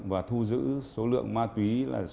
và thu giữ số lượng ma túy